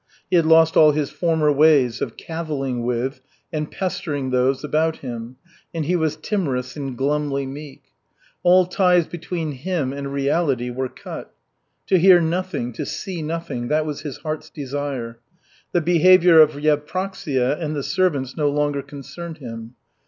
He had lost all his former ways of cavilling with and pestering those about him, and he was timorous and glumly meek. All ties between him and reality were cut. To hear nothing, to see nothing, that was his heart's desire. The behavior of Yevpraksia and the servants no longer concerned him.